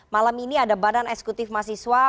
malam ini ada badan eksekutif mahasiswa